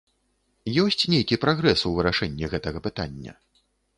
Ёсць нейкі прагрэс у вырашэнні гэтага пытання?